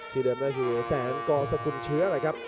ที่เดิมหน้าหิวแสนกรสกุลเชื้อ